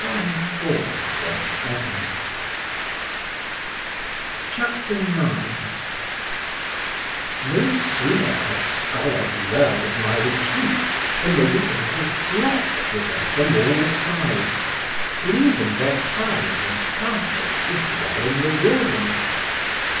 IV, 7). CHAPTER XI OF HIS TEACHING IN THE WILDERNESS No sooner had scholars learned of my retreat than they began to flock thither from all sides, leaving their towns and castles to dwell in the wilderness.